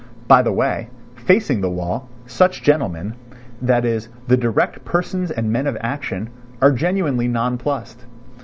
(By the way: facing the wall, such gentlemen—that is, the "direct" persons and men of action—are genuinely nonplussed.